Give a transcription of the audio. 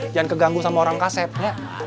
jangan keganggu sama orang kaset ya